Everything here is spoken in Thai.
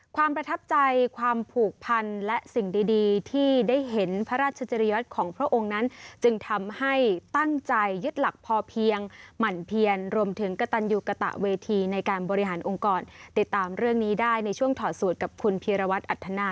ความประทับใจความผูกพันและสิ่งดีที่ได้เห็นพระราชจริยวัตรของพระองค์นั้นจึงทำให้ตั้งใจยึดหลักพอเพียงหมั่นเพียนรวมถึงกระตันยูกระตะเวทีในการบริหารองค์กรติดตามเรื่องนี้ได้ในช่วงถอดสูตรกับคุณพีรวัตรอัธนา